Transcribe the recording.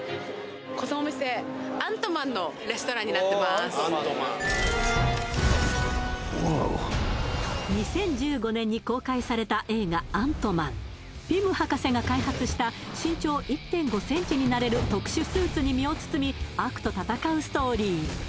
このお店２０１５年に公開された映画「アントマン」ピム博士が開発した身長１．５ｃｍになれる特殊スーツに身を包み悪と戦うストーリー